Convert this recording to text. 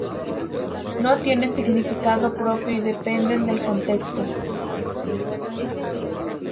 No tienen significado propio y dependen del contexto.